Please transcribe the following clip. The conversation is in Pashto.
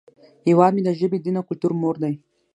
هیواد مې د ژبې، دین، او کلتور مور دی